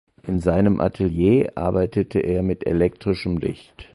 In seinem Atelier arbeitete er mit elektrischem Licht.